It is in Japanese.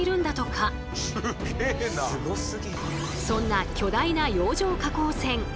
そんな巨大な洋上加工船。